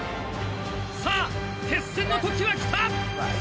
さぁ決戦の時はきた！